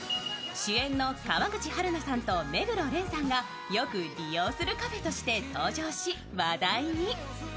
主演の川口春奈さんと目黒蓮さんがよく利用するカフェとして登場し、話題に。